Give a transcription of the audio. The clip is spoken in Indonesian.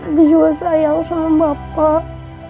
ada juga sayang sama bapak